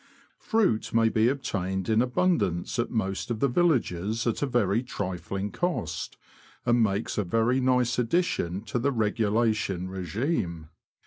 Fruit may be obtained in abundance at most of the villages at a very trifling cost, and makes a very nice addition to the regulation regime.